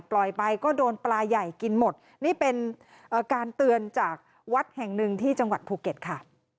ปล่อยไปก็โดนปลาใหญ่กินหมดนี่เป็นการเตือนจากวัดแห่งหนึ่งที่จังหวัดภูเก็ตค่ะ